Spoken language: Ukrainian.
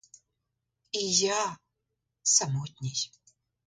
І я — самотній.